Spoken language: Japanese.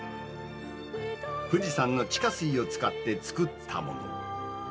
富士山の地下水を使って作ったもの。